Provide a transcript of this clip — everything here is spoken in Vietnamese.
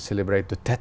cách phát triển tết